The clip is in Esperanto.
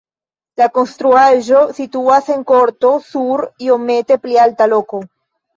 La konstruaĵo situas en korto sur iomete pli alta loko.